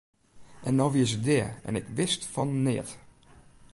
En no wie se dea en ik wist fan neat!